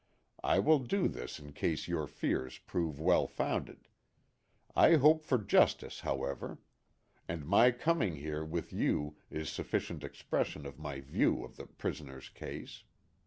I will do this in case your fears prove well founded. I hope for jus THE HAT OF THE POSTMASTER. l6l tice however. And my coming here with you is sufficient expression of my view of the prison er's case.